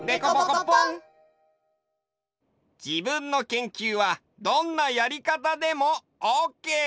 自分の研究はどんなやりかたでもオッケー！